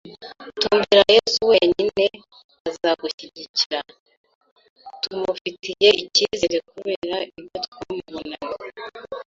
tumbira Yesu wenyine azagushyigikira, tumufitiye icyizere kubera ibyo twamubonanye